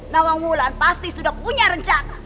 lawang ulan pasti sudah punya rencana